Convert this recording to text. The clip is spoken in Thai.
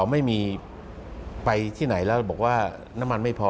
ไม่มีไปที่ไหนแล้วบอกว่าน้ำมันไม่พอ